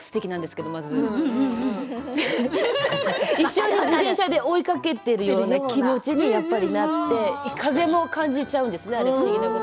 それを自転車で追いかけているような感じになって風も感じちゃうんですよね。